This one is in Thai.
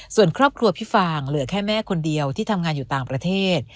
ส่วนครอบครัวพี่ฟางเหลือแค่แม่คนเดียวที่ทำงานอยู่ต่างประเทศ